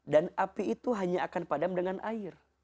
api itu hanya akan padam dengan air